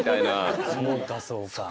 そうかそうか。